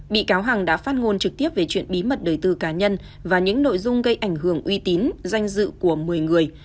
bị cáo hằng đã phát ngôn trực tiếp về chuyện bí mật đời tư cá nhân và những nội dung gây ảnh hưởng uy tín danh dự của một mươi người